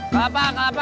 kelapa kelapa kelapa